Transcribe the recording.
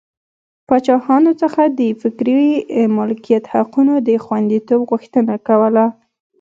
پاچاهانو څخه د فکري مالکیت حقونو د خوندیتوب غوښتنه کوله.